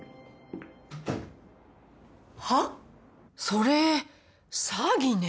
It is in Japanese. それ詐欺ね。